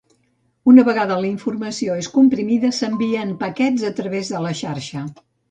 Una vegada la informació és comprimida, s'envia en paquets a través de la xarxa.